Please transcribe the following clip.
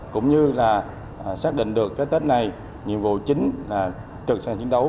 cũng như là xác định được cái tết này nhiệm vụ chính là trực sàng chiến đấu